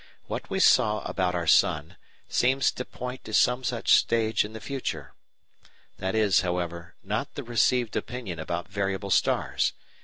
What we saw about our sun seems to point to some such stage in the future. That is, however, not the received opinion about variable stars.